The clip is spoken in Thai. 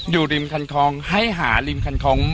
อยู่ริมคันคลองให้หาริมคันคลอง